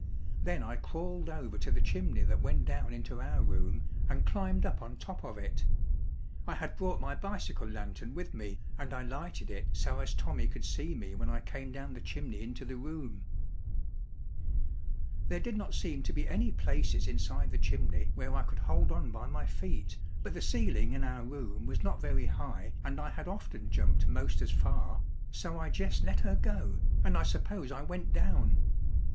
Then I crawled over to the chimney that went down into our room and climbed up on top of it. I had brought my bicycle lantern with me and I lighted it so as Tommy could see me when I came down the chimney into the room. There did not seem to be any places inside the chimney where I could hold on by my feet, but the ceiling in our room was not very high and I had often jumped most as far, so I jes' let her go, and I suppose I went down.